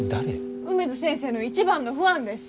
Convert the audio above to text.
梅津先生の一番のファンです。